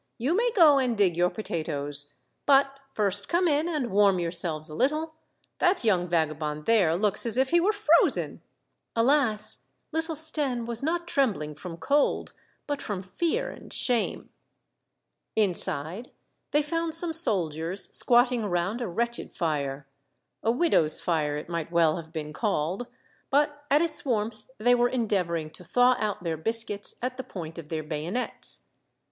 " You may go and dig your potatoes, but first come in and warm yourselves a little ; that young vagabond there looks as if he were frozen !" Alas ! little Stenne was not trembling from cold, but from fear and shame. Inside they found some soldiers squatting around a wretched fire ; a widow's fire it might well have been called, but at its warmth they were endeavoring to thaw out their biscuits at the point of their bayonets.